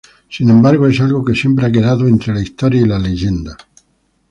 Sin embargo, es algo que siempre ha quedado entre la historia y la leyenda.